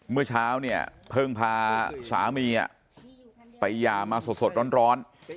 เมื่อเช้าเนี่ยเพิ่งพาสามีไปหย่ามาสดร้อน